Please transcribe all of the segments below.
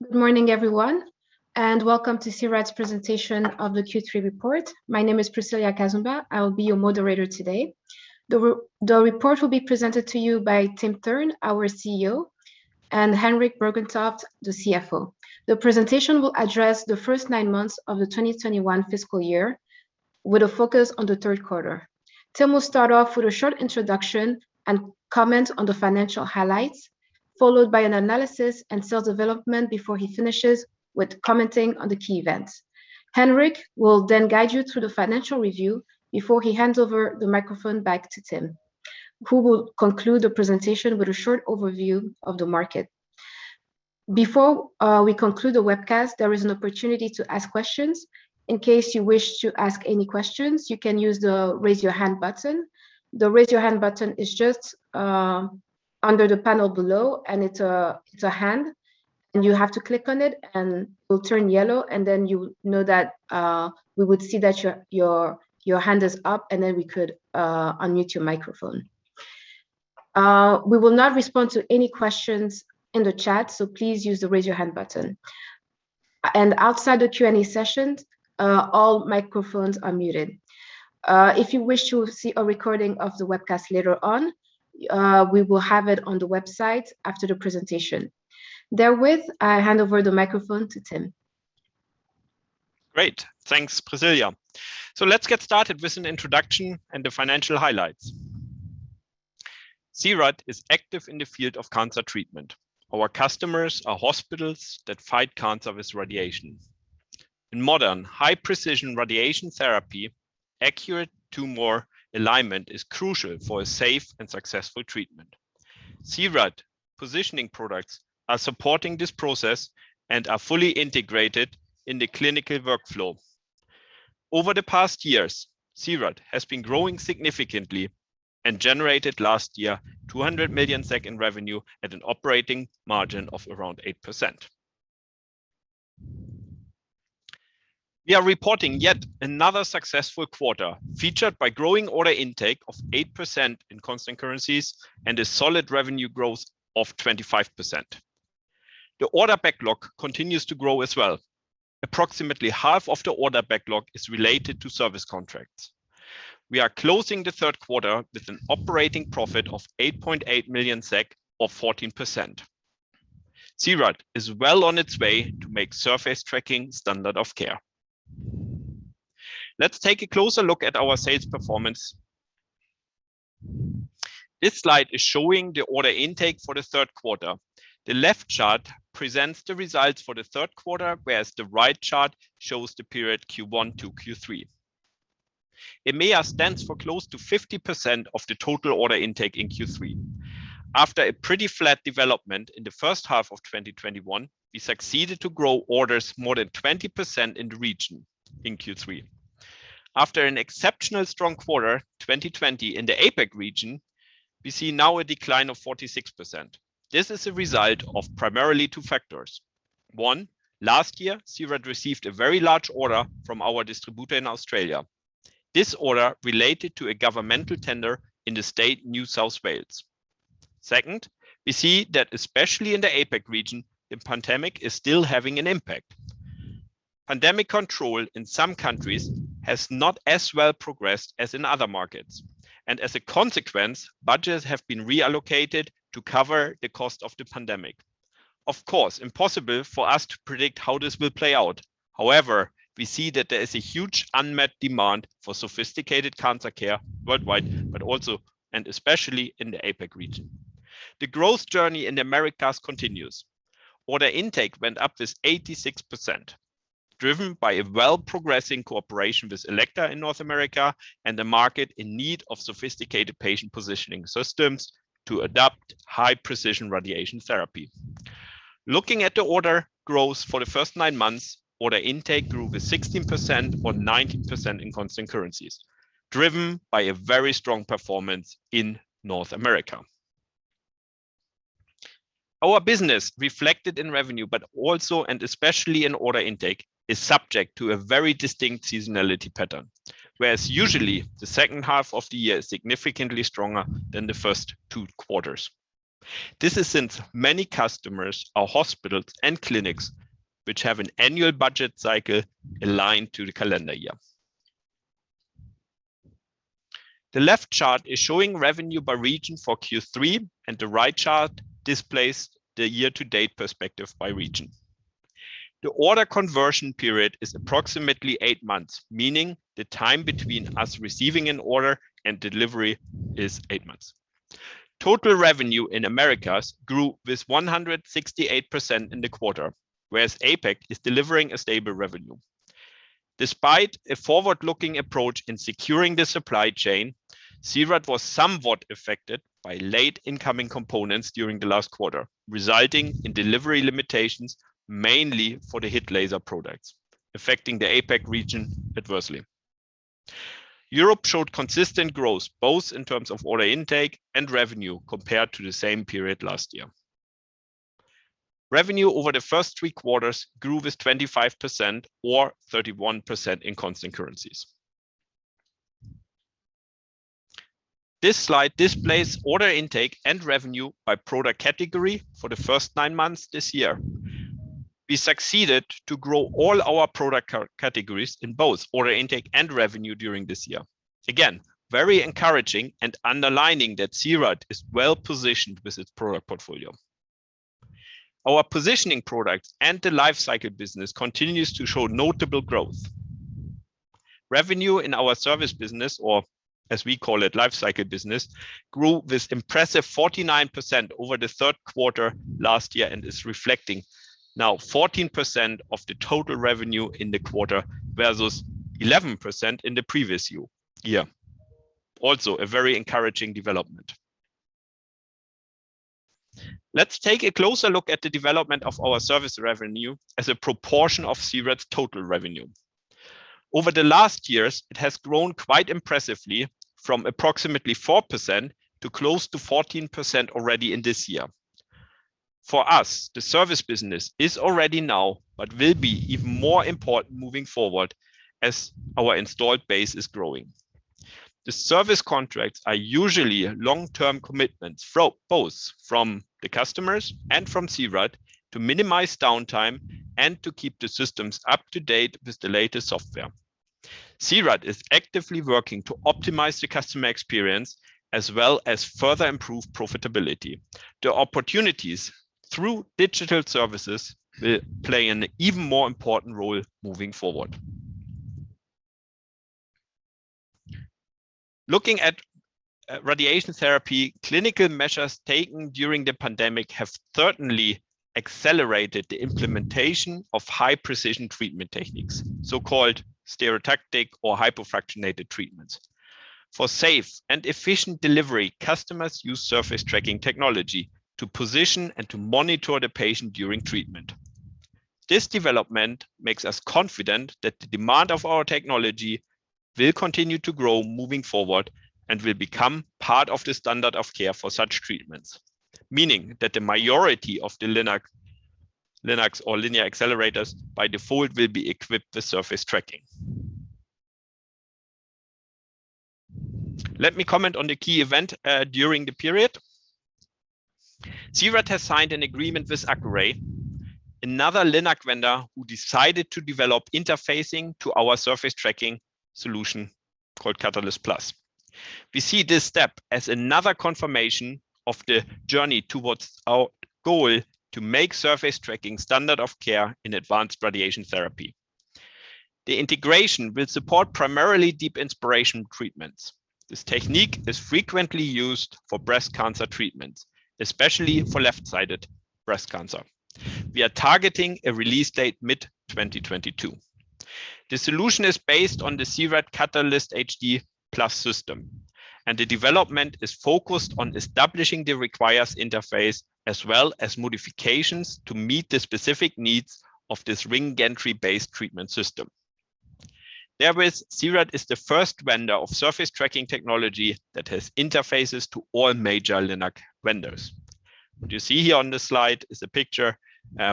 Good morning everyone, and welcome to C-RAD's presentation of the Q3 report. My name is Priscilla Kazumba. I will be your moderator today. The report will be presented to you by Tim Thurn, our CEO, and Henrik Bergentoft, the CFO. The presentation will address the first nine months of the 2021 fiscal year, with a focus on the third quarter. Tim will start off with a short introduction and comment on the financial highlights, followed by an analysis and sales development before he finishes with commenting on the key events. Henrik will then guide you through the financial review before he hands over the microphone back to Tim, who will conclude the presentation with a short overview of the market. Before we conclude the webcast, there is an opportunity to ask questions. In case you wish to ask any questions, you can use the Raise Your Hand button. The Raise Your Hand button is just under the panel below, and it's a hand, and you have to click on it, and it will turn yellow, and then you know that we would see that your hand is up, and then we could unmute your microphone. We will not respond to any questions in the chat, so please use the Raise Your Hand button. Outside the Q&A session, all microphones are muted. If you wish to see a recording of the webcast later on, we will have it on the website after the presentation. Therewith, I hand over the microphone to Tim. Great. Thanks, Priscilla. Let's get started with an introduction and the financial highlights. C-RAD is active in the field of cancer treatment. Our customers are hospitals that fight cancer with radiation. In modern high-precision radiation therapy, accurate tumor alignment is crucial for a safe and successful treatment. C-RAD positioning products are supporting this process and are fully integrated in the clinical workflow. Over the past years, C-RAD has been growing significantly and generated last year 200 million SEK in revenue at an operating margin of around 8%. We are reporting yet another successful quarter, featured by growing order intake of 8% in constant currencies and a solid revenue growth of 25%. The order backlog continues to grow as well. Approximately half of the order backlog is related to service contracts. We are closing the third quarter with an operating profit of 8.8 million SEK or 14%. C-RAD is well on its way to make surface tracking standard of care. Let's take a closer look at our sales performance. This slide is showing the order intake for the third quarter. The left chart presents the results for the third quarter, whereas the right chart shows the period Q1 to Q3. EMEA accounts for close to 50% of the total order intake in Q3. After a pretty flat development in the first half of 2021, we succeeded to grow orders more than 20% in the region in Q3. After an exceptional strong quarter 2020 in the APAC region, we see now a decline of 46%. This is a result of primarily two factors. One, last year, C-RAD received a very large order from our distributor in Australia. This order related to a governmental tender in the state New South Wales. Second, we see that especially in the APAC region, the pandemic is still having an impact. Pandemic control in some countries has not as well progressed as in other markets, and as a consequence, budgets have been reallocated to cover the cost of the pandemic. Of course, impossible for us to predict how this will play out. However, we see that there is a huge unmet demand for sophisticated cancer care worldwide, but also and especially in the APAC region. The growth journey in the Americas continues. Order intake went up by 86%, driven by a well progressing cooperation with Elekta in North America and a market in need of sophisticated patient positioning systems to adopt high-precision radiation therapy. Looking at the order growth for the first nine months, order intake grew with 16% or 19% in constant currencies, driven by a very strong performance in North America. Our business reflected in revenue, but also and especially in order intake, is subject to a very distinct seasonality pattern, whereas usually the second half of the year is significantly stronger than the first two quarters. This is since many customers are hospitals and clinics which have an annual budget cycle aligned to the calendar year. The left chart is showing revenue by region for Q3, and the right chart displays the year-to-date perspective by region. The order conversion period is approximately eight months, meaning the time between us receiving an order and delivery is eight months. Total revenue in Americas grew with 168% in the quarter, whereas APAC is delivering a stable revenue. Despite a forward-looking approach in securing the supply chain, C-RAD was somewhat affected by late incoming components during the last quarter, resulting in delivery limitations, mainly for the HIT Laser products, affecting the APAC region adversely. Europe showed consistent growth both in terms of order intake and revenue compared to the same period last year. Revenue over the first three quarters grew with 25% or 31% in constant currencies. This slide displays order intake and revenue by product category for the first nine months this year. We succeeded to grow all our product categories in both order intake and revenue during this year. Again, very encouraging and underlining that C-RAD is well-positioned with its product portfolio. Our positioning products and the Life Cycle Business continues to show notable growth. Revenue in our service business, or as we call it, Life Cycle Business, grew this impressive 49% over the third quarter last year and is reflecting now 14% of the total revenue in the quarter, versus 11% in the previous year. Also, a very encouraging development. Let's take a closer look at the development of our service revenue as a proportion of C-RAD's total revenue. Over the last years, it has grown quite impressively from approximately 4% to close to 14% already in this year. For us, the service business is already now what will be even more important moving forward as our installed base is growing. The service contracts are usually long-term commitments both from the customers and from C-RAD to minimize downtime and to keep the systems up to date with the latest software. C-RAD is actively working to optimize the customer experience as well as further improve profitability. The opportunities through digital services will play an even more important role moving forward. Looking at radiation therapy, clinical measures taken during the pandemic have certainly accelerated the implementation of high-precision treatment techniques, so-called stereotactic or hypofractionated treatments. For safe and efficient delivery, customers use surface tracking technology to position and to monitor the patient during treatment. This development makes us confident that the demand of our technology will continue to grow moving forward and will become part of the standard of care for such treatments, meaning that the majority of the LINAC, LINACs or linear accelerators by default will be equipped with surface tracking. Let me comment on the key event during the period. C-RAD has signed an agreement with Accuray, another LINAC vendor who decided to develop interfacing to our surface tracking solution called Catalyst+. We see this step as another confirmation of the journey towards our goal to make surface tracking standard of care in advanced radiation therapy. The integration will support primarily deep inspiration treatments. This technique is frequently used for breast cancer treatments, especially for left-sided breast cancer. We are targeting a release date mid-2022. The solution is based on the C-RAD Catalyst+ HD system, and the development is focused on establishing the required interface as well as modifications to meet the specific needs of this ring gantry-based treatment system. Therewith, C-RAD is the first vendor of surface tracking technology that has interfaces to all major LINAC vendors. What you see here on this slide is a picture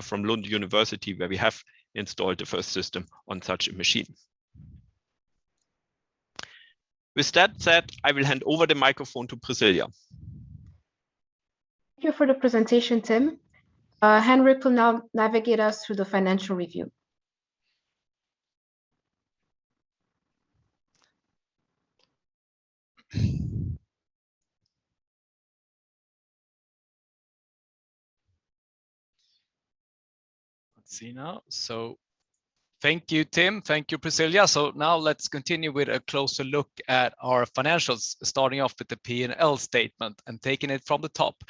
from Lund University where we have installed the first system on such a machine. With that said, I will hand over the microphone to Priscilla. Thank you for the presentation, Tim. Henrik will now navigate us through the financial review. Let's see now. Thank you, Tim. Thank you, Priscilla. Now let's continue with a closer look at our financials, starting off with the P&L statement and taking it from the top.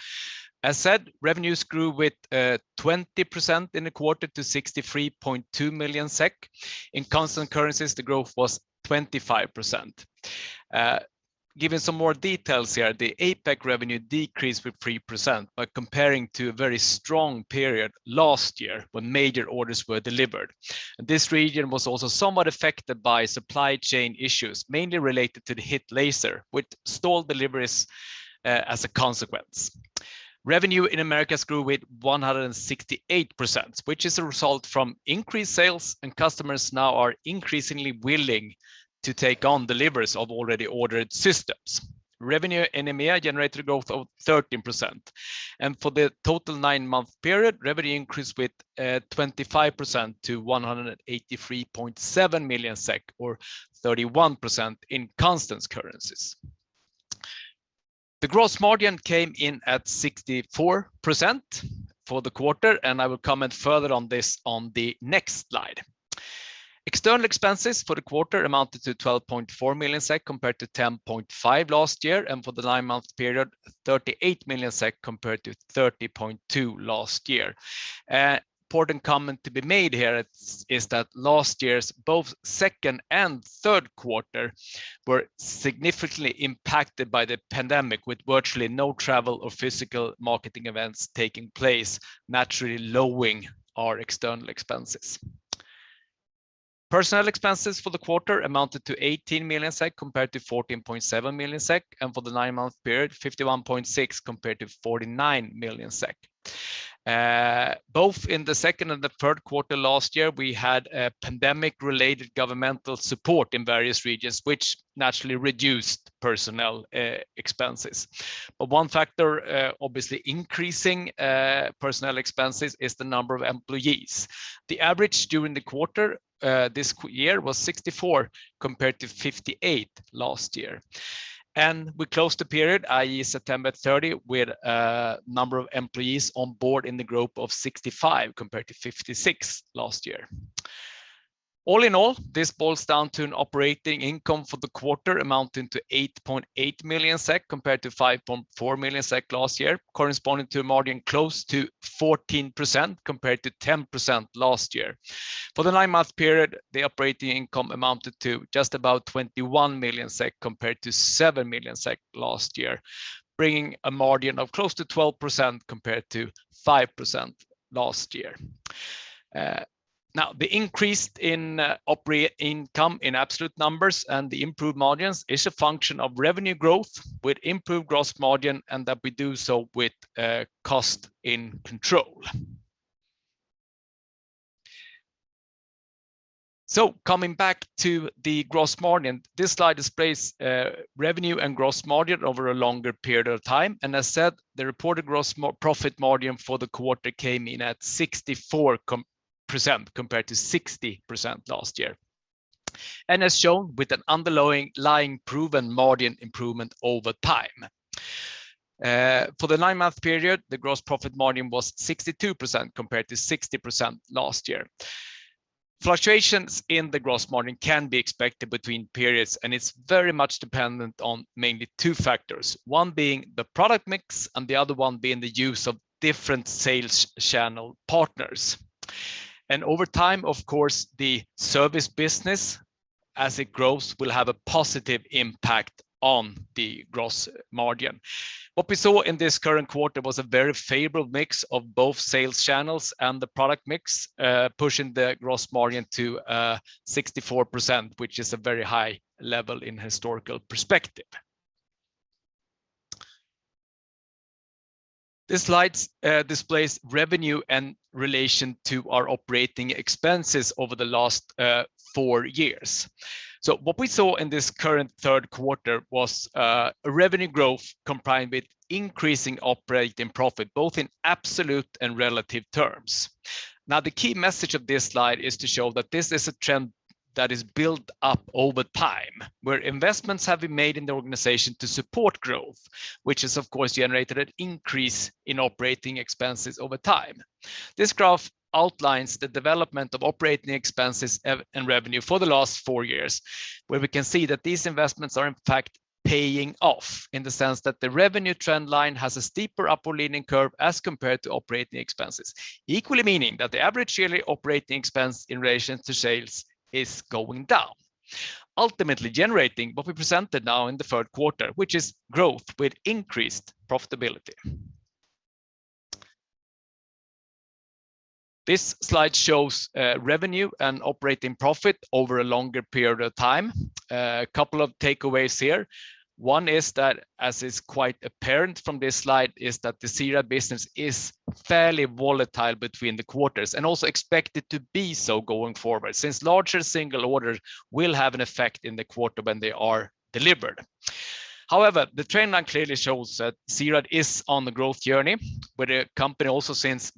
As said, revenues grew with 20% in the quarter to 63.2 million SEK. In constant currencies, the growth was 25%. Giving some more details here, the APAC revenue decreased with 3% compared to a very strong period last year when major orders were delivered. This region was also somewhat affected by supply chain issues, mainly related to the HIT Laser, with stalled deliveries as a consequence. Revenue in Americas grew with 168%, which is a result from increased sales and customers now are increasingly willing to take on deliveries of already ordered systems. Revenue in EMEA generated a growth of 13%. For the total nine-month period, revenue increased with 25% to 183.7 million SEK, or 31% in constant currencies. The gross margin came in at 64% for the quarter, and I will comment further on this on the next slide. External expenses for the quarter amounted to 12.4 million SEK compared to 10.5 million last year, and for the nine-month period, 38 million SEK compared to 30.2 million last year. Important comment to be made here is that last year's both second and third quarter were significantly impacted by the pandemic, with virtually no travel or physical marketing events taking place, naturally lowering our external expenses. Personnel expenses for the quarter amounted to 18 million SEK compared to 14.7 million SEK, and for the nine-month period, 51.6 million compared to 49 million SEK. Both in the second and the third quarter last year, we had a pandemic-related governmental support in various regions which naturally reduced personnel expenses. One factor obviously increasing personnel expenses is the number of employees. The average during the quarter this year was 64 compared to 58 last year. We closed the period, i.e., September 30, with a number of employees on board in the group of 65 compared to 56 last year. All in all, this boils down to an operating income for the quarter amounting to 8.8 million SEK compared to 5.4 million SEK last year, corresponding to a margin close to 14% compared to 10% last year. For the nine-month period, the operating income amounted to just about 21 million SEK compared to 7 million SEK last year, bringing a margin of close to 12% compared to 5% last year. Now, the increase in operating income in absolute numbers and the improved margins is a function of revenue growth with improved gross margin and that we do so with cost in control. Coming back to the gross margin, this slide displays revenue and gross margin over a longer period of time. As said, the reported gross profit margin for the quarter came in at 64% compared to 60% last year. As shown with an underlying proven margin improvement over time. For the nine-month period, the gross profit margin was 62% compared to 60% last year. Fluctuations in the gross margin can be expected between periods, and it's very much dependent on mainly two factors. One being the product mix and the other one being the use of different sales channel partners. Over time, of course, the service business, as it grows, will have a positive impact on the gross margin. What we saw in this current quarter was a very favorable mix of both sales channels and the product mix, pushing the gross margin to 64%, which is a very high level in historical perspective. This slide displays revenue in relation to our operating expenses over the last four years. What we saw in this current third quarter was a revenue growth combined with increasing operating profit, both in absolute and relative terms. Now, the key message of this slide is to show that this is a trend that is built up over time, where investments have been made in the organization to support growth, which has of course generated an increase in operating expenses over time. This graph outlines the development of operating expenses and revenue for the last four years, where we can see that these investments are in fact paying off in the sense that the revenue trend line has a steeper upward-leaning curve as compared to operating expenses. Equally meaning that the average yearly operating expense in relation to sales is going down, ultimately generating what we presented now in the third quarter, which is growth with increased profitability. This slide shows revenue and operating profit over a longer period of time. A couple of takeaways here. One is that, as is quite apparent from this slide, the C-RAD business is fairly volatile between the quarters and also expected to be so going forward, since larger single orders will have an effect in the quarter when they are delivered. However, the trend line clearly shows that C-RAD is on the growth journey, where the company also since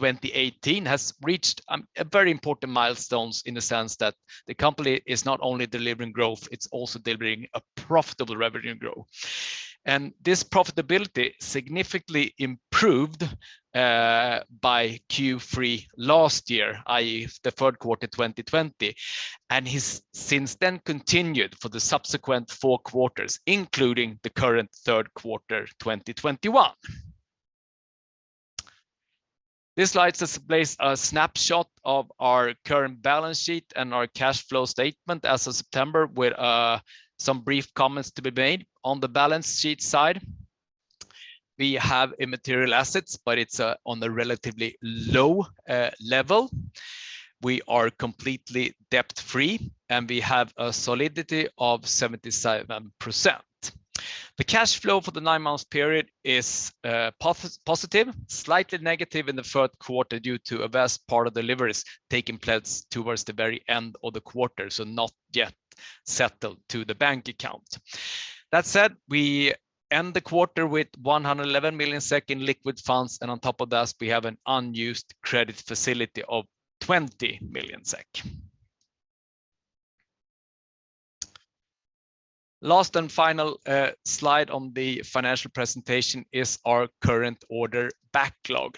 mid-2018 has reached a very important milestones in the sense that the company is not only delivering growth, it's also delivering a profitable revenue growth. This profitability significantly improved by Q3 last year, i.e., the third quarter 2020, and has since then continued for the subsequent four quarters, including the current third quarter 2021. This slide displays a snapshot of our current balance sheet and our cash flow statement as of September, with some brief comments to be made. On the balance sheet side, we have intangible assets, but it's on a relatively low level. We are completely debt-free, and we have a solidity of 77%. The cash flow for the nine-month period is positive, slightly negative in the third quarter due to a vast part of deliveries taking place towards the very end of the quarter, so not yet settled to the bank account. That said, we end the quarter with 111 million SEK in liquid funds, and on top of that, we have an unused credit facility of 20 million SEK. Last and final, slide on the financial presentation is our current order backlog.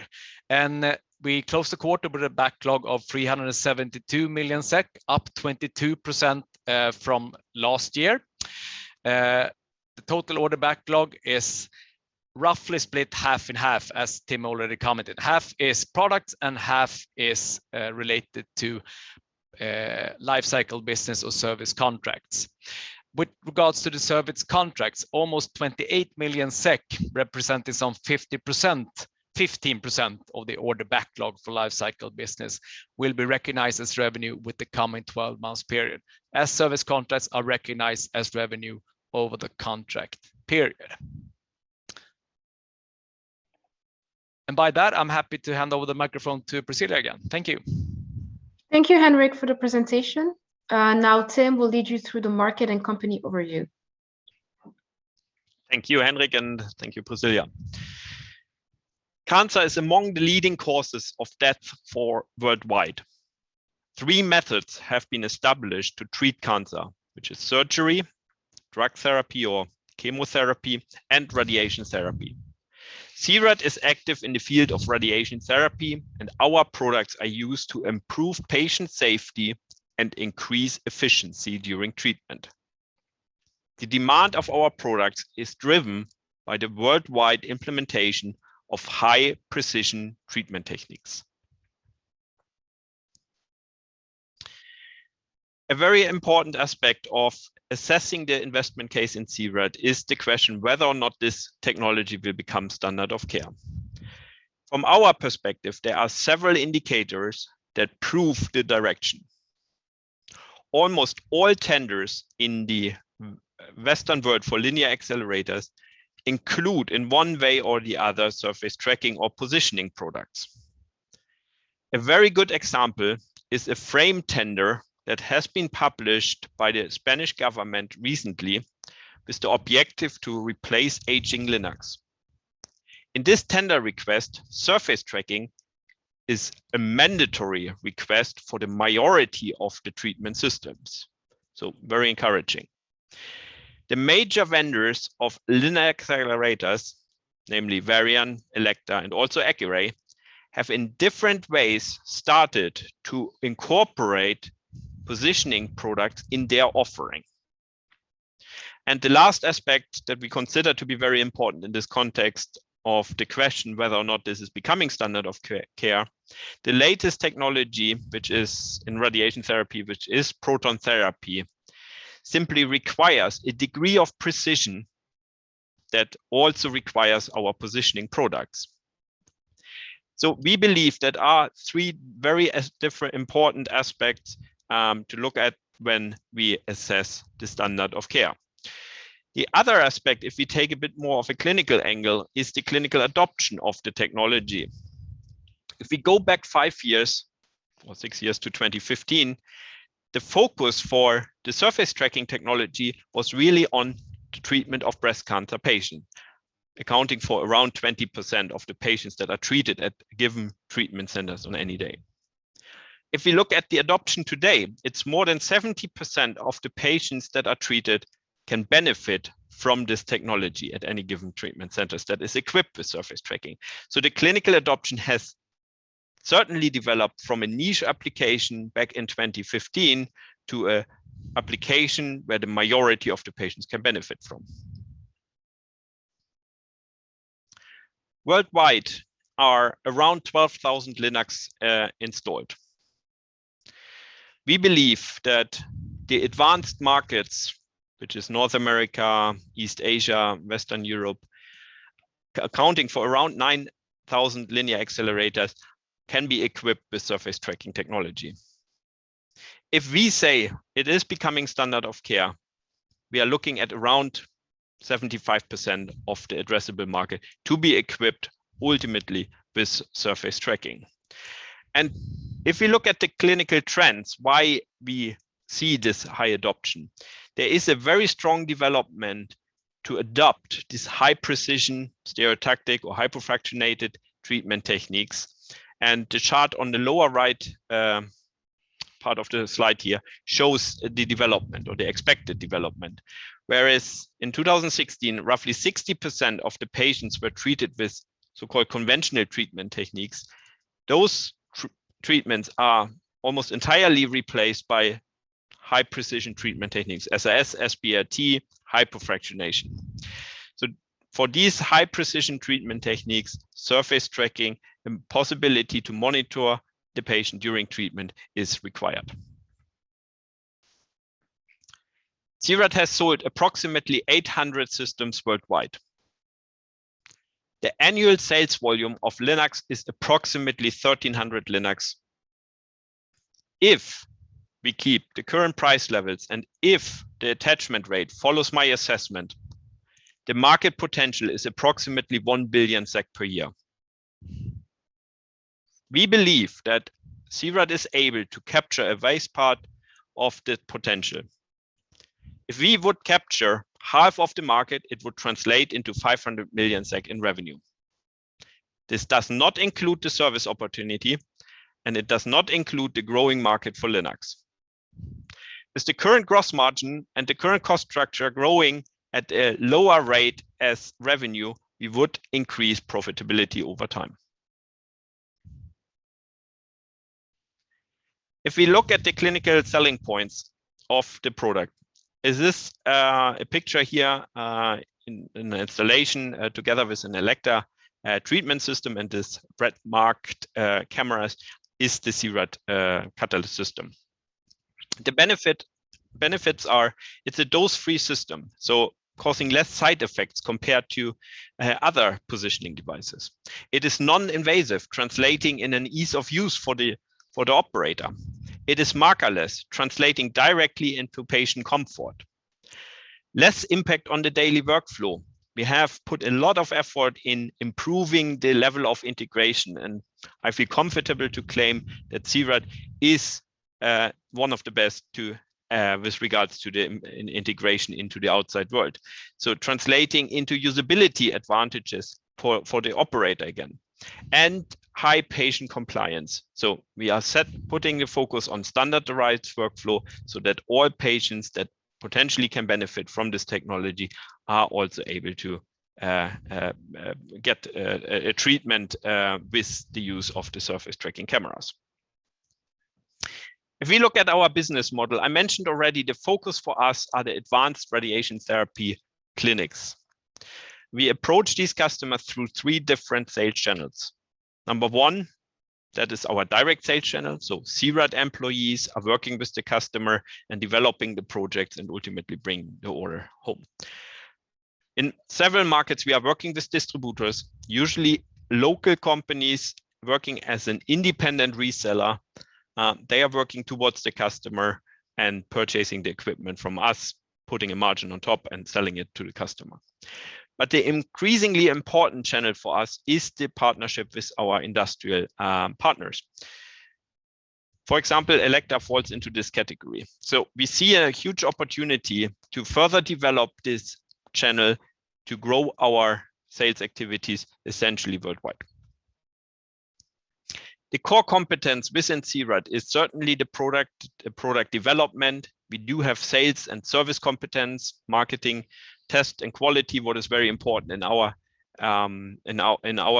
We close the quarter with a backlog of 372 million SEK, up 22% from last year. The total order backlog is roughly split half and half, as Tim already commented. Half is product and half is related to Life Cycle Business or service contracts. With regards to the service contracts, almost 28 million SEK, representing some 15% of the order backlog for Life Cycle Business, will be recognized as revenue with the coming 12-month period, as service contracts are recognized as revenue over the contract period. By that, I'm happy to hand over the microphone to Priscilla again. Thank you. Thank you, Henrik, for the presentation. Now Tim will lead you through the market and company overview. Thank you, Henrik, and thank you, Priscilla. Cancer is among the leading causes of death worldwide. Three methods have been established to treat cancer, which is surgery, drug therapy or chemotherapy, and radiation therapy. C-RAD is active in the field of radiation therapy, and our products are used to improve patient safety and increase efficiency during treatment. The demand for our products is driven by the worldwide implementation of high-precision treatment techniques. A very important aspect of assessing the investment case in C-RAD is the question whether or not this technology will become standard of care. From our perspective, there are several indicators that prove the direction. Almost all tenders in the western world for linear accelerators include, in one way or the other, surface tracking or positioning products. A very good example is a framework tender that has been published by the Spanish government recently with the objective to replace aging LINACs. In this tender request, surface tracking is a mandatory request for the majority of the treatment systems, so very encouraging. The major vendors of linear accelerators, namely Varian, Elekta, and also Accuray, have in different ways started to incorporate positioning products in their offering. The last aspect that we consider to be very important in this context of the question whether or not this is becoming standard of care, the latest technology, which is in radiation therapy, which is proton therapy, simply requires a degree of precision that also requires our positioning products. We believe there are three very different, important aspects to look at when we assess the standard of care. The other aspect, if we take a bit more of a clinical angle, is the clinical adoption of the technology. If we go back five years or six years to 2015, the focus for the surface tracking technology was really on the treatment of breast cancer patient, accounting for around 20% of the patients that are treated at given treatment centers on any day. If we look at the adoption today, it's more than 70% of the patients that are treated can benefit from this technology at any given treatment centers that is equipped with surface tracking. The clinical adoption has certainly developed from a niche application back in 2015 to a application where the majority of the patients can benefit from. Worldwide, there are around 12,000 LINACs installed. We believe that the advanced markets, which is North America, East Asia, Western Europe, accounting for around 9,000 linear accelerators, can be equipped with surface tracking technology. If we say it is becoming standard of care, we are looking at around 75% of the addressable market to be equipped ultimately with surface tracking. If we look at the clinical trends, why we see this high adoption, there is a very strong development to adopt this high-precision stereotactic or hypofractionated treatment techniques. The chart on the lower right, part of the slide here shows the development or the expected development. Whereas in 2016, roughly 60% of the patients were treated with so-called conventional treatment techniques. Those treatments are almost entirely replaced by high-precision treatment techniques, SRS, SBRT, hypofractionation. For these high-precision treatment techniques, surface tracking and possibility to monitor the patient during treatment is required. C-RAD has sold approximately 800 systems worldwide. The annual sales volume of LINACs is approximately 1,300 LINACs. If we keep the current price levels and if the attachment rate follows my assessment, the market potential is approximately 1 billion SEK per year. We believe that C-RAD is able to capture a vast part of the potential. If we would capture half of the market, it would translate into 500 million SEK in revenue. This does not include the service opportunity, and it does not include the growing market for LINACs. As the current gross margin and the current cost structure growing at a lower rate as revenue, we would increase profitability over time. If we look at the clinical selling points of the product, is this a picture here in installation together with an Elekta treatment system, and this red marked cameras is the C-RAD Catalyst system. The benefits are it's a dose-free system, so causing less side effects compared to other positioning devices. It is non-invasive, translating into an ease of use for the operator. It is markerless, translating directly into patient comfort. Less impact on the daily workflow. We have put a lot of effort in improving the level of integration, and I feel comfortable to claim that C-RAD is one of the best with regards to the integration into the outside world, so translating into usability advantages for the operator again, and high patient compliance. We are set putting a focus on standardized workflow so that all patients that potentially can benefit from this technology are also able to get a treatment with the use of the surface tracking cameras. If we look at our business model, I mentioned already the focus for us are the advanced radiation therapy clinics. We approach these customers through three different sales channels. Number one, that is our direct sales channel. C-RAD employees are working with the customer and developing the project and ultimately bring the order home. In several markets, we are working with distributors, usually local companies working as an independent reseller. They are working towards the customer and purchasing the equipment from us, putting a margin on top, and selling it to the customer. The increasingly important channel for us is the partnership with our industrial partners. For example, Elekta falls into this category. We see a huge opportunity to further develop this channel to grow our sales activities essentially worldwide. The core competence within C-RAD is certainly the product, the product development. We do have sales and service competence, marketing, test, and quality, what is very important in our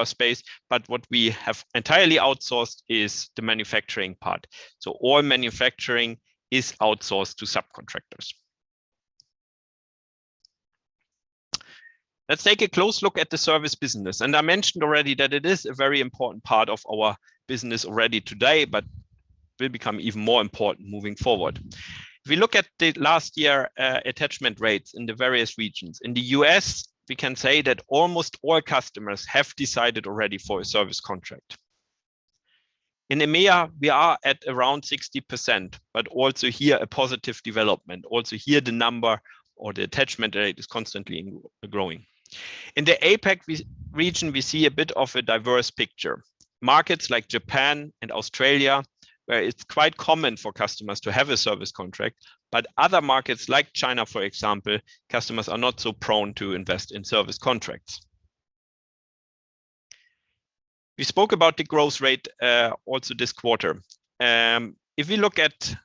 space. What we have entirely outsourced is the manufacturing part. All manufacturing is outsourced to subcontractors. Let's take a close look at the service business, and I mentioned already that it is a very important part of our business already today but will become even more important moving forward. If we look at the last year, attachment rates in the various regions, in the U.S. we can say that almost all customers have decided already for a service contract. In EMEA, we are at around 60%, but also here a positive development. Also here, the number or the attachment rate is constantly growing. In the APAC region, we see a bit of a diverse picture. Markets like Japan and Australia, where it's quite common for customers to have a service contract, but other markets like China, for example, customers are not so prone to invest in service contracts. We spoke about the growth rate, also this quarter. If we look at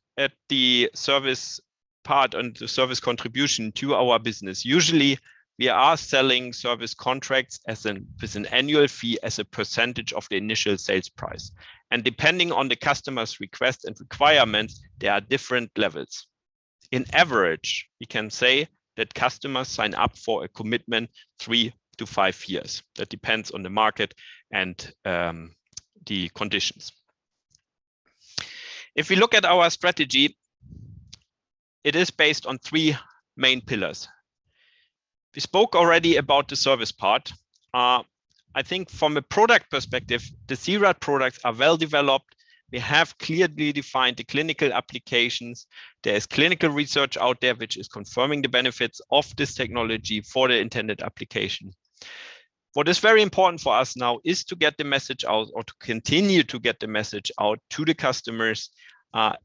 the service part and the service contribution to our business, usually we are selling service contracts as an annual fee, as a percentage of the initial sales price. Depending on the customer's request and requirements, there are different levels. On average, we can say that customers sign up for a commitment three to five years. That depends on the market and the conditions. If we look at our strategy, it is based on three main pillars. We spoke already about the service part. I think from a product perspective, the C-RAD products are well-developed. We have clearly defined the clinical applications. There is clinical research out there which is confirming the benefits of this technology for the intended application. What is very important for us now is to get the message out or to continue to get the message out to the customers,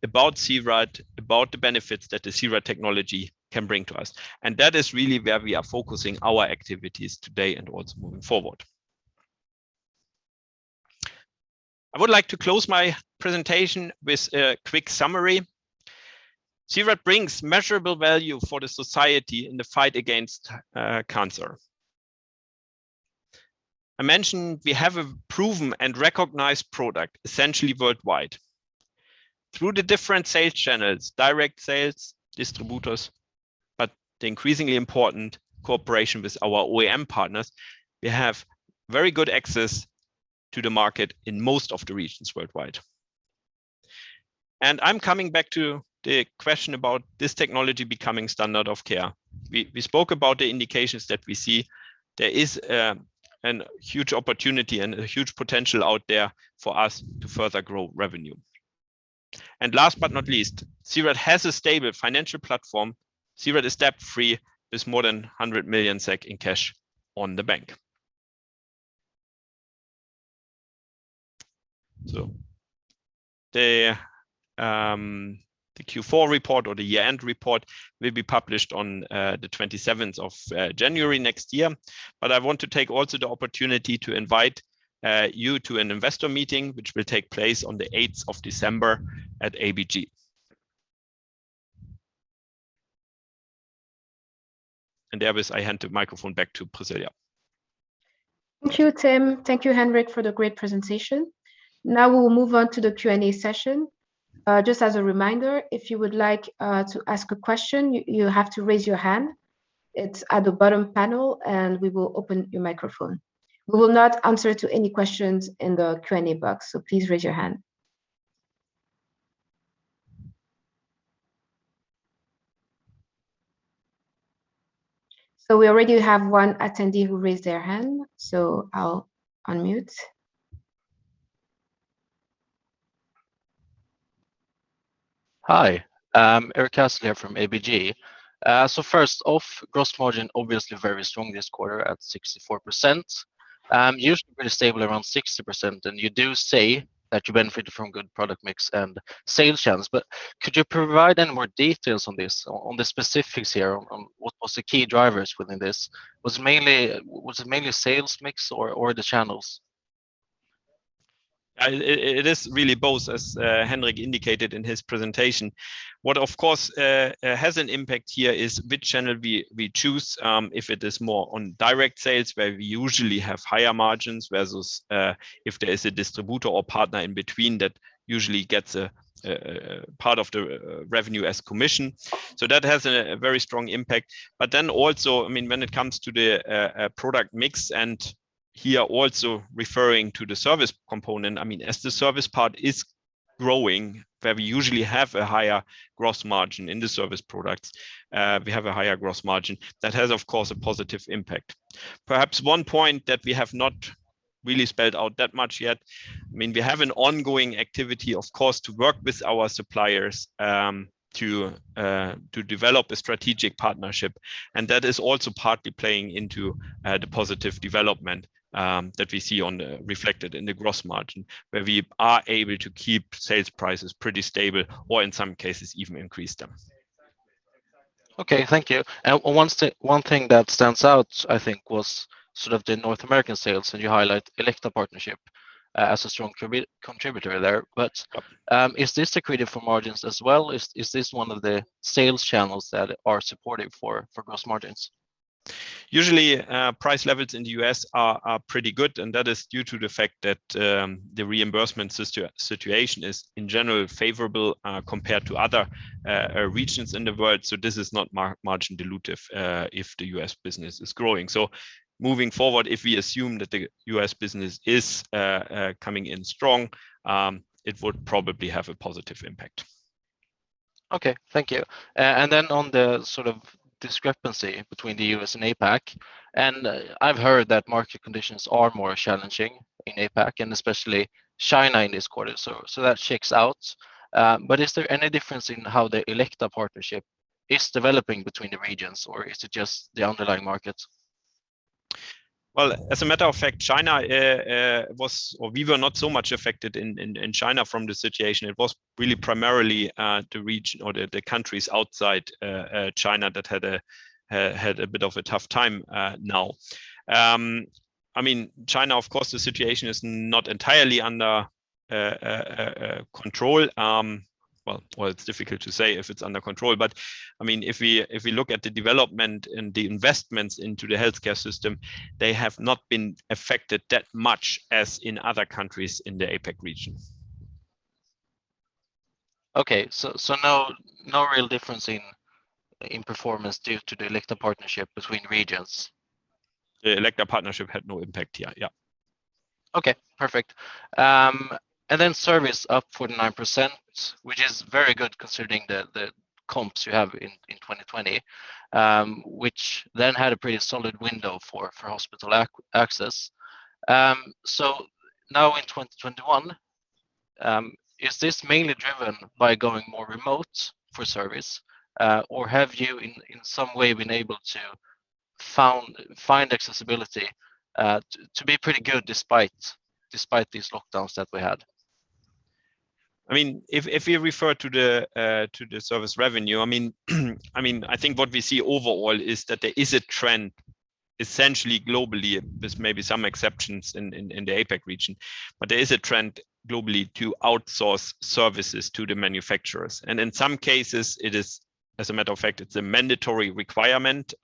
about C-RAD, about the benefits that the C-RAD technology can bring to us, and that is really where we are focusing our activities today and also moving forward. I would like to close my presentation with a quick summary. C-RAD brings measurable value for the society in the fight against cancer. I mentioned we have a proven and recognized product essentially worldwide. Through the different sales channels, direct sales, distributors, but the increasingly important cooperation with our OEM partners, we have very good access to the market in most of the regions worldwide. I'm coming back to the question about this technology becoming standard of care. We spoke about the indications that we see. There is a huge opportunity and a huge potential out there for us to further grow revenue. Last but not least, C-RAD has a stable financial platform. C-RAD is debt-free with more than 100 million SEK in cash on the bank. The Q4 report or the year-end report will be published on the 27th of January next year. I want to take also the opportunity to invite you to an investor meeting, which will take place on the 8th of December at ABG. With that I hand the microphone back to Priscilla. Thank you, Tim. Thank you, Henrik, for the great presentation. Now we will move on to the Q&A session. Just as a reminder, if you would like to ask a question, you have to raise your hand. It's at the bottom panel, and we will open your microphone. We will not answer to any questions in the Q&A box, so please raise your hand. We already have one attendee who raised their hand, so I'll unmute. Hi. Erik Hultgård here from ABG. First off, gross margin obviously very strong this quarter at 64%. Usually pretty stable around 60%, and you do say that you benefited from good product mix and sales channels. Could you provide any more details on this, on the specifics here, on what was the key drivers within this? Was it mainly sales mix or the channels? It is really both, as Henrik indicated in his presentation. What, of course, has an impact here is which channel we choose. If it is more on direct sales where we usually have higher margins, versus if there is a distributor or partner in between that usually gets a part of the revenue as commission. That has a very strong impact. I mean, when it comes to the product mix, and here also referring to the service component, I mean, as the service part is growing, where we usually have a higher gross margin in the service products, we have a higher gross margin. That has, of course, a positive impact. Perhaps one point that we have not really spelled out that much yet, I mean, we have an ongoing activity, of course, to work with our suppliers, to develop a strategic partnership, and that is also partly playing into the positive development that we see reflected in the gross margin, where we are able to keep sales prices pretty stable or in some cases even increase them. Okay. Thank you. One thing that stands out, I think, was sort of the North American sales, and you highlight Elekta partnership as a strong contributor there. Is this accretive for margins as well? Is this one of the sales channels that are supportive for gross margins? Usually, price levels in the U.S. are pretty good, and that is due to the fact that the reimbursement situation is, in general, favorable compared to other regions in the world, so this is not margin dilutive if the U.S. business is growing. Moving forward, if we assume that the U.S. business is coming in strong, it would probably have a positive impact. Okay. Thank you. On the sort of discrepancy between the U.S. and APAC, and I've heard that market conditions are more challenging in APAC, and especially China in this quarter, so that checks out. Is there any difference in how the Elekta partnership is developing between the regions, or is it just the underlying markets? Well, as a matter of fact, China, or we were not so much affected in China from the situation. It was really primarily the region or the countries outside China that had a bit of a tough time now. I mean, China, of course, the situation is not entirely under control. Well, it's difficult to say if it's under control, but I mean, if we look at the development and the investments into the healthcare system, they have not been affected that much as in other countries in the APAC region. Okay. No real difference in performance due to the Elekta partnership between regions? The Elekta partnership had no impact here, yeah. Okay. Perfect. Service up 49%, which is very good considering the comps you have in 2020, which then had a pretty solid window for hospital access. Now in 2021, is this mainly driven by going more remote for service, or have you in some way been able to find accessibility to be pretty good despite these lockdowns that we had? I mean, if you refer to the service revenue, I mean, I think what we see overall is that there is a trend essentially globally. There's maybe some exceptions in the APAC region, but there is a trend globally to outsource services to the manufacturers. In some cases, it is, as a matter of fact, it's a mandatory requirement.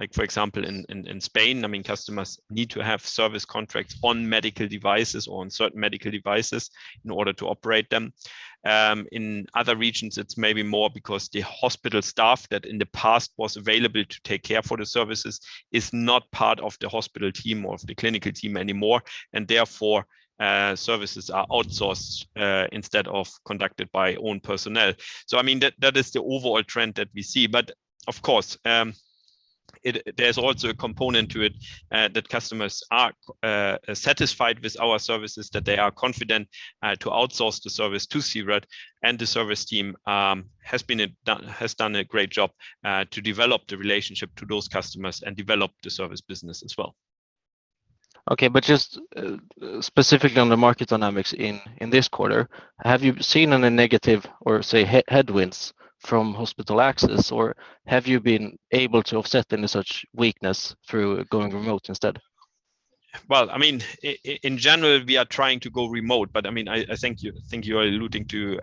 Like, for example, in Spain, I mean, customers need to have service contracts on medical devices or on certain medical devices in order to operate them. In other regions, it's maybe more because the hospital staff that in the past was available to take care of the services is not part of the hospital team or of the clinical team anymore, and therefore, services are outsourced, instead of conducted by own personnel. I mean, that is the overall trend that we see. Of course, there's also a component to it that customers are satisfied with our services, that they are confident to outsource the service to C-RAD, and the service team has done a great job to develop the relationship to those customers and develop the service business as well. Just, specifically on the market dynamics in this quarter, have you seen any negative or, say, headwinds from hospital access, or have you been able to offset any such weakness through going remote instead? Well, I mean, in general, we are trying to go remote, but I mean, I think you're alluding to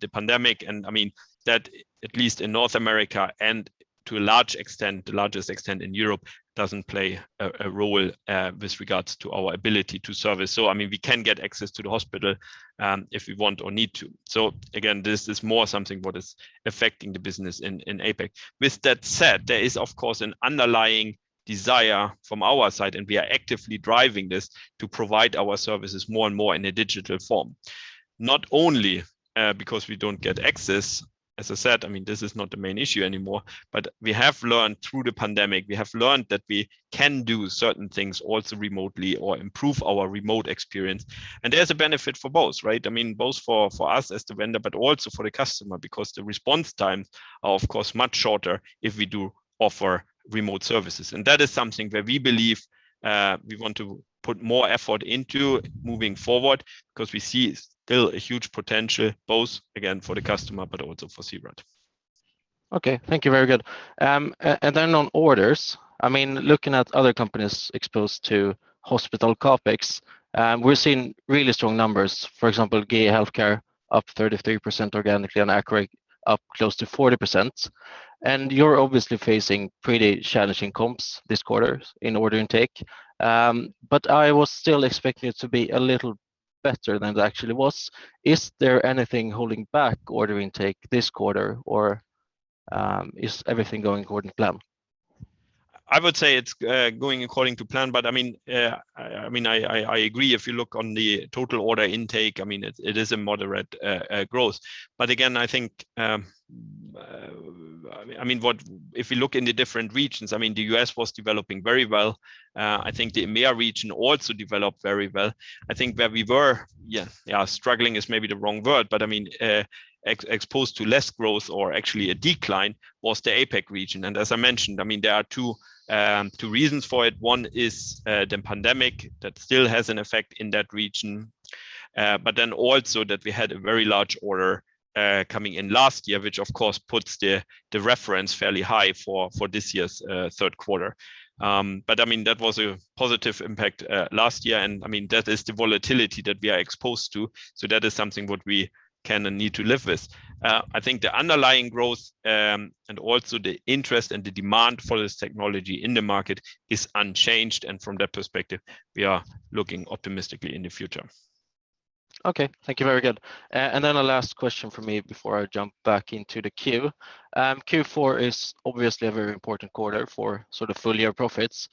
the pandemic, and I mean, that at least in North America and to a large extent in Europe doesn't play a role with regards to our ability to service. I mean, we can get access to the hospital if we want or need to. Again, this is more something what is affecting the business in APAC. With that said, there is, of course, an underlying desire from our side, and we are actively driving this to provide our services more and more in a digital form. Not only, because we don't get access, as I said, I mean, this is not the main issue anymore, but we have learned through the pandemic. We have learned that we can do certain things also remotely or improve our remote experience. There's a benefit for both, right? I mean, both for us as the vendor, but also for the customer, because the response times are, of course, much shorter if we do offer remote services. That is something where we believe we want to put more effort into moving forward because we still see a huge potential, both again, for the customer, but also for C-RAD. Okay. Thank you. Very good. Then on orders, I mean, looking at other companies exposed to hospital CapEx, we're seeing really strong numbers. For example, GE Healthcare up 33% organically and Accuray up close to 40%. You're obviously facing pretty challenging comps this quarter in order intake. I was still expecting it to be a little better than it actually was. Is there anything holding back order intake this quarter, or is everything going according to plan? I would say it's going according to plan, but I mean, yeah, I agree. If you look on the total order intake, I mean, it is a moderate growth. But again, I think, I mean, if you look in the different regions, I mean, the U.S. was developing very well. I think the EMEA region also developed very well. I think where we were struggling is maybe the wrong word, but I mean, exposed to less growth or actually a decline was the APAC region. As I mentioned, I mean, there are two reasons for it. One is, the pandemic that still has an effect in that region. that we had a very large order coming in last year, which of course puts the reference fairly high for this year's third quarter. I mean, that was a positive impact last year, and I mean, that is the volatility that we are exposed to. that is something what we can and need to live with. I think the underlying growth and also the interest and the demand for this technology in the market is unchanged, and from that perspective, we are looking optimistically in the future. Okay. Thank you. Very good. A last question from me before I jump back into the queue. Q4 is obviously a very important quarter for sort of full-year profits.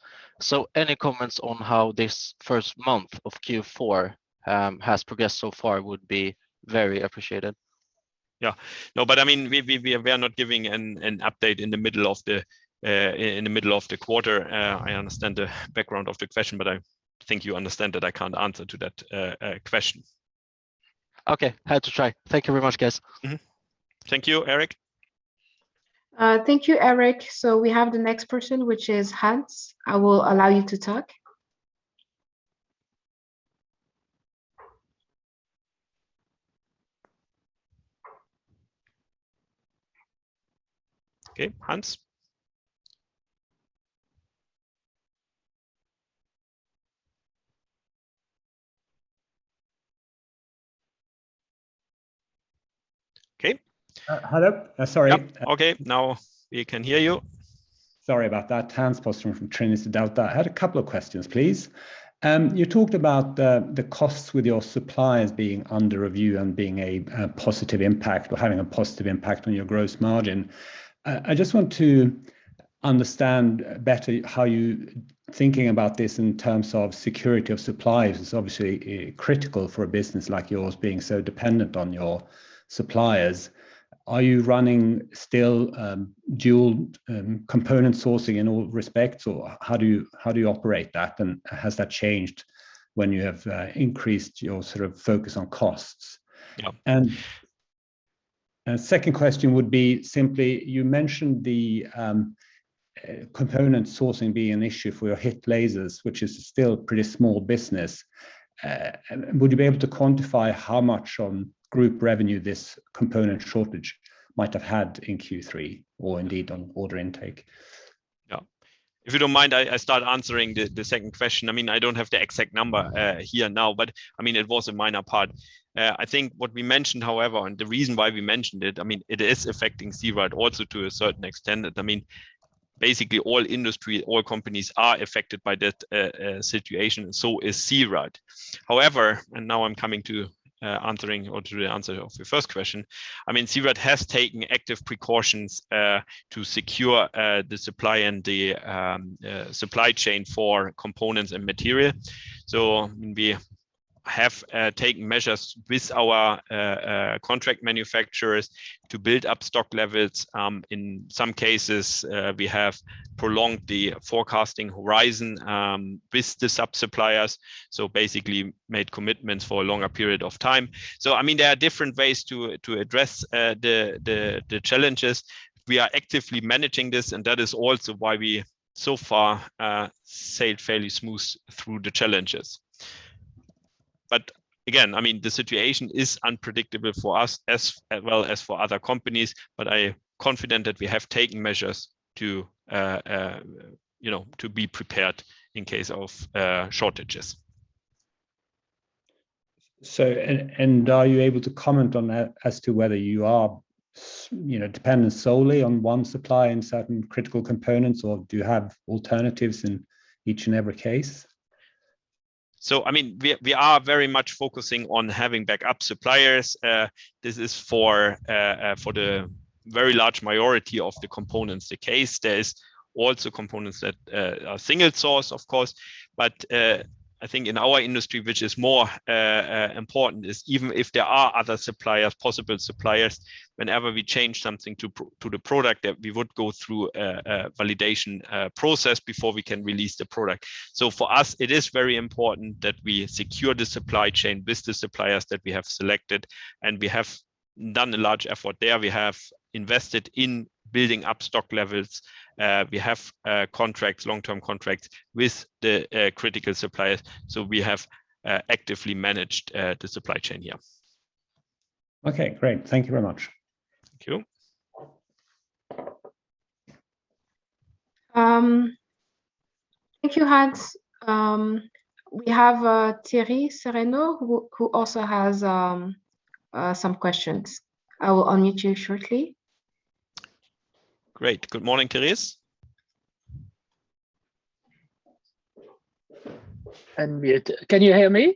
Any comments on how this first month of Q4 has progressed so far would be very appreciated. Yeah. No, but I mean, we are not giving an update in the middle of the quarter. I understand the background of the question, but I think you understand that I can't answer to that question. Okay. Had to try. Thank you very much, guys. Mm-hmm. Thank you, Erik. Thank you, Erik. We have the next person, which is Hans. I will allow you to talk. Okay, Hans? Okay. Hello? Sorry. Yeah. Okay. Now we can hear you. Sorry about that. Hans Bostrom from Trinity Delta. I had a couple of questions, please. You talked about the costs with your suppliers being under review and being a positive impact or having a positive impact on your gross margin. I just want to understand better how you're thinking about this in terms of security of supply. It's obviously critical for a business like yours being so dependent on your suppliers. Are you running still dual component sourcing in all respects, or how do you operate that? Has that changed when you have increased your sort of focus on costs? Yeah. Second question would be simply, you mentioned the component sourcing being an issue for your HIT Lasers, which is still pretty small business. Would you be able to quantify how much on group revenue this component shortage might have had in Q3 or indeed on order intake? Yeah. If you don't mind, I start answering the second question. I mean, I don't have the exact number here now, but I mean, it was a minor part. I think what we mentioned, however, and the reason why we mentioned it, I mean, it is affecting C-RAD also to a certain extent, that I mean, basically all industry, all companies are affected by that situation, and so is C-RAD. However, and now I'm coming to answering or to the answer of your first question. I mean, C-RAD has taken active precautions to secure the supply and the supply chain for components and material. We have taken measures with our contract manufacturers to build up stock levels. In some cases, we have prolonged the forecasting horizon with the sub-suppliers, so basically made commitments for a longer period of time. I mean, there are different ways to address the challenges. We are actively managing this, and that is also why we so far sailed fairly smooth through the challenges. Again, I mean, the situation is unpredictable for us as well as for other companies, but I'm confident that we have taken measures to, you know, to be prepared in case of shortages. Are you able to comment on that as to whether you are dependent solely on one supplier in certain critical components, or do you have alternatives in each and every case? I mean, we are very much focusing on having backup suppliers. This is for the very large majority of the components. In the case, there are also components that are single source, of course, but I think in our industry, which is more important, is even if there are other suppliers, possible suppliers, whenever we change something to the product, that we would go through a validation process before we can release the product. For us, it is very important that we secure the supply chain with the suppliers that we have selected, and we have done a large effort there. We have invested in building up stock levels. We have contracts, long-term contracts with the critical suppliers. We have actively managed the supply chain. Okay, great. Thank you very much. Thank you. Thank you, Hans. We have Thierry Cereno, who also has some questions. I will unmute you shortly. Great. Good morning, Thierry. Can you hear me?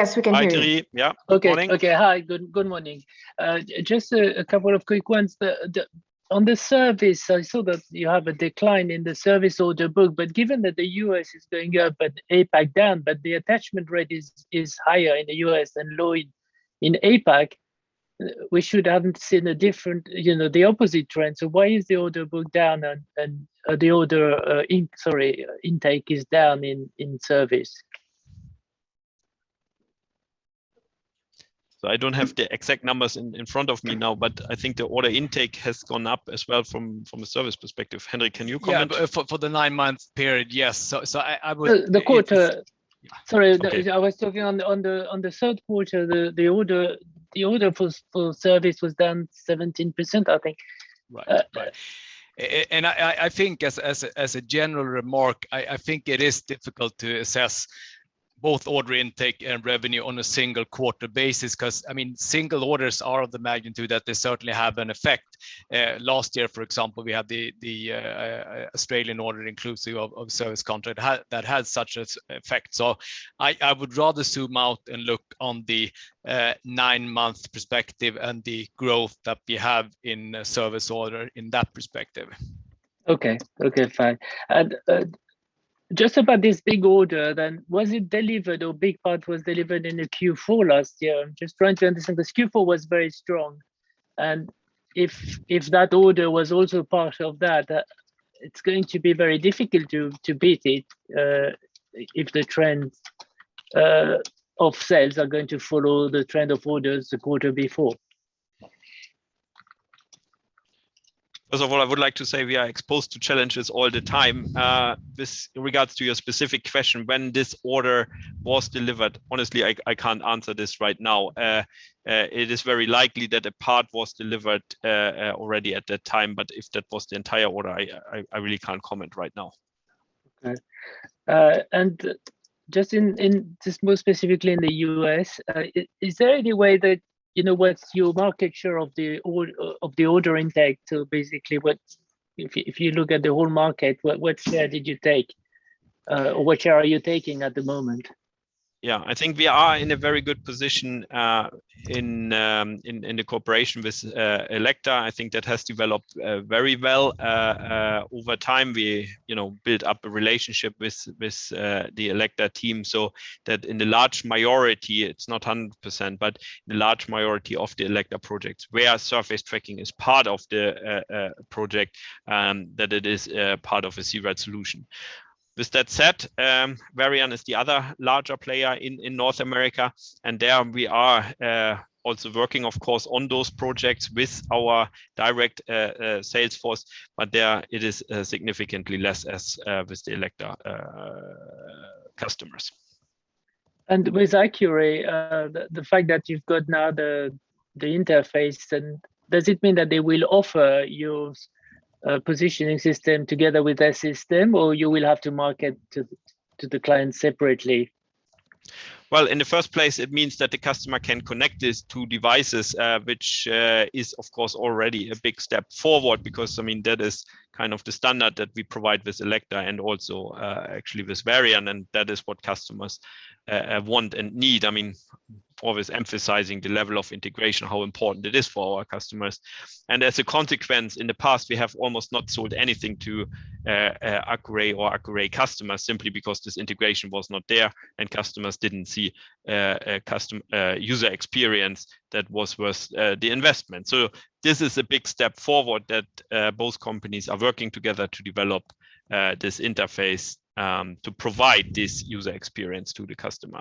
Yes, we can hear you. Hi, Thierry. Yeah. Good morning. Okay. Hi. Good morning. Just a couple of quick ones. On the service, I saw that you have a decline in the service order book, but given that the U.S. is going up but APAC down, but the attachment rate is higher in the U.S. than low in APAC, we should haven't seen a different, you know, the opposite trend. Why is the order book down and the order intake is down in service? I don't have the exact numbers in front of me now, but I think the order intake has gone up as well from a service perspective. Henrik, can you comment? For the nine-month period, yes. I would- The quarter Okay. Sorry. I was talking on the third quarter, the order for service was down 17%, I think. Right. I think as a general remark, I think it is difficult to assess both order intake and revenue on a single quarter basis, 'cause, I mean, single orders are of the magnitude that they certainly have an effect. Last year, for example, we had the Australian order inclusive of service contract that had such an effect. I would rather zoom out and look on the nine-month perspective and the growth that we have in service order in that perspective. Okay, fine. Just about this big order then, was it delivered or big part was delivered in Q4 last year? I'm just trying to understand, 'cause Q4 was very strong. If that order was also part of that, it's going to be very difficult to beat it, if the trends of sales are going to follow the trend of orders the quarter before. First of all, I would like to say we are exposed to challenges all the time. In regards to your specific question, when this order was delivered, honestly, I can't answer this right now. It is very likely that a part was delivered already at that time, but if that was the entire order, I really can't comment right now. Okay. Just more specifically in the U.S., is there any way that, you know, what's your market share of the order intake to basically if you look at the whole market, what share did you take? Or which share are you taking at the moment? Yeah. I think we are in a very good position in the cooperation with Elekta. I think that has developed very well over time. We you know built up a relationship with the Elekta team, so that in the large majority, it's not 100%, but in a large majority of the Elekta projects, where surface tracking is part of the project, and that it is part of a C-RAD solution. With that said, Varian is the other larger player in North America, and there we are also working of course on those projects with our direct sales force. There it is significantly less as with the Elekta customers. With Accuray, the fact that you've got now the interface, then does it mean that they will offer your positioning system together with their system, or you will have to market to the client separately? Well, in the first place, it means that the customer can connect these two devices, which is of course already a big step forward because, I mean, that is kind of the standard that we provide with Elekta and also, actually with Varian, and that is what customers want and need. I mean, always emphasizing the level of integration, how important it is for our customers. As a consequence, in the past, we have almost not sold anything to Accuray or Accuray customers simply because this integration was not there and customers didn't see a user experience that was worth the investment. This is a big step forward that both companies are working together to develop this interface to provide this user experience to the customer.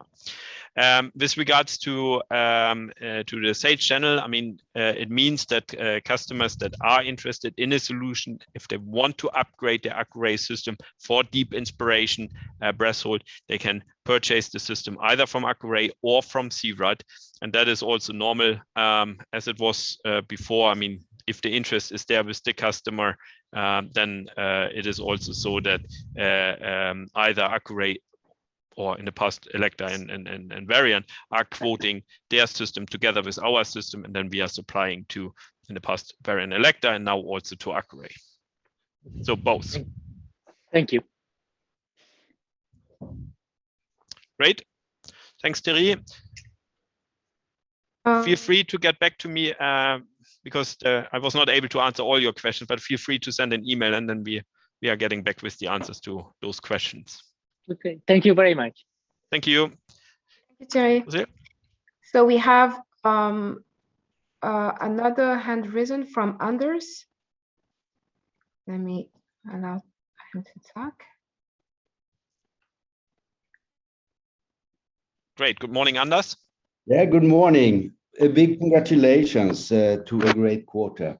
With regards to the sales channel, I mean, it means that customers that are interested in a solution, if they want to upgrade their Accuray system for deep inspiration breath hold, they can purchase the system either from Accuray or from C-RAD. That is also normal, as it was before. I mean, if the interest is there with the customer, then it is also so that either Accuray or in the past, Elekta and Varian are quoting their system together with our system, and then we are supplying to, in the past, Varian, Elekta, and now also to Accuray. So both. Thank you. Great. Thanks, Thierry. Um- Feel free to get back to me, because I was not able to answer all your questions, but feel free to send an email and then we are getting back with the answers to those questions. Okay. Thank you very much. Thank you. Thank you, Thierry. We have another hand raised from Anders. Let me allow him to talk. Great. Good morning, Anders. Yeah. Good morning. A big congratulations to a great quarter.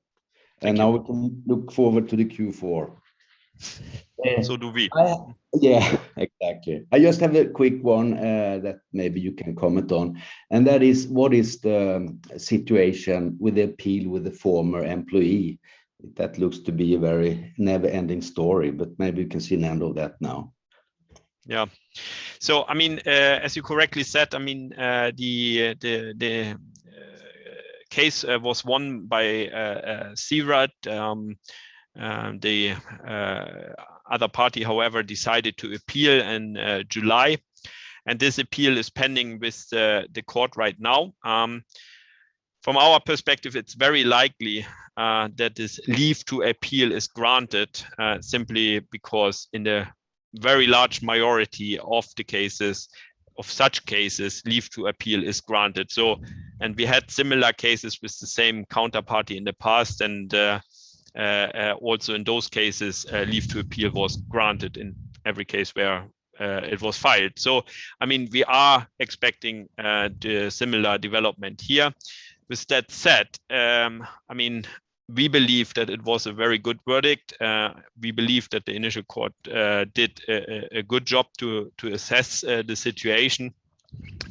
Thank you. Now we can look forward to the Q4. Do we. Yeah. Exactly. I just have a quick one that maybe you can comment on, and that is what is the situation with the appeal with the former employee? That looks to be a very never-ending story, but maybe you can handle that now. Yeah. So I mean, as you correctly said, I mean, the case was won by C-RAD. The other party, however, decided to appeal in July, and this appeal is pending with the court right now. From our perspective, it's very likely that this leave to appeal is granted simply because in the very large majority of the cases, of such cases, leave to appeal is granted. We had similar cases with the same counterparty in the past, and also in those cases, leave to appeal was granted in every case where it was filed. I mean, we are expecting the similar development here. With that said, I mean, we believe that it was a very good verdict. We believe that the initial court did a good job to assess the situation.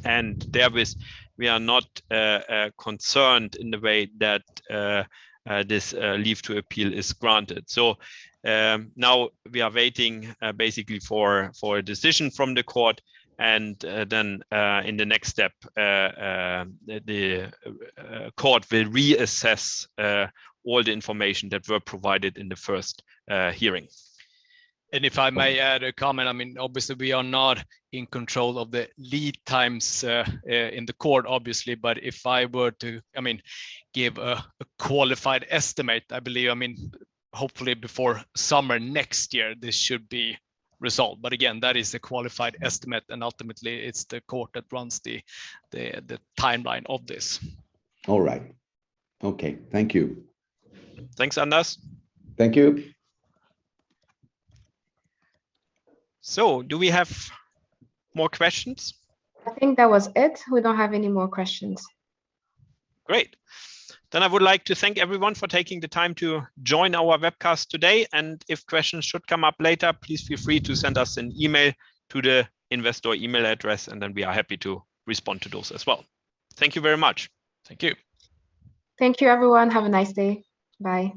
Thereby, we are not concerned in the way that this leave to appeal is granted. Now we are waiting basically for a decision from the court and then in the next step the court will reassess all the information that were provided in the first hearing. If I may add a comment, I mean, obviously, we are not in control of the lead times in the court, obviously. If I were to, I mean, give a qualified estimate, I believe, I mean, hopefully before summer next year, this should be resolved. Again, that is a qualified estimate, and ultimately it's the court that runs the timeline of this. All right. Okay. Thank you. Thanks, Anders. Thank you. Do we have more questions? I think that was it. We don't have any more questions. Great. I would like to thank everyone for taking the time to join our webcast today. If questions should come up later, please feel free to send us an email to the investor email address, and then we are happy to respond to those as well. Thank you very much. Thank you. Thank you, everyone. Have a nice day. Bye.